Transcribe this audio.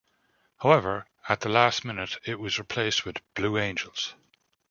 However, at the last minute, it was replaced with "Blue Angels".